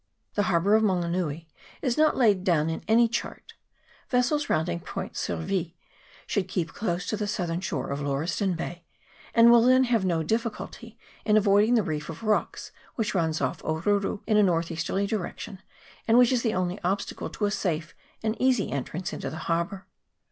The harbour of Mango nui is not laid down in any chart ; vessels rounding Point Surville should keep close to the southern shore of Lauriston Bay, and will then have no difficulty in avoiding the reef of rocks which runs off Oruru in a north easterly direction, and which is the only obstacle to a safe and easy entrance into the harbour.